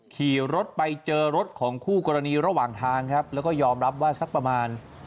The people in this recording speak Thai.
ขี่รถไปเจอรถของคู่กรณีระหว่างทางครับแล้วก็ยอมรับว่าสักประมาณ